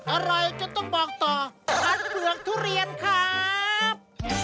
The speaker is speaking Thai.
อะไรก็ต้องบอกต่อหักเผือกทุเรียนครับ